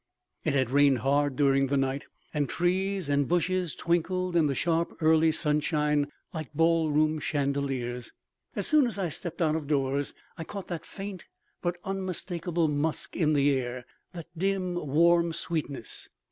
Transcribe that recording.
It had rained hard during the night, and trees and bushes twinkled in the sharp early sunshine like ballroom chandeliers. As soon as I stepped out of doors I caught that faint but unmistakable musk in the air; that dim, warm sweetness.